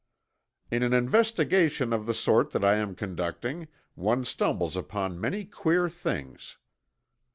"In an investigation of the sort that I am conducting one stumbles upon many queer things."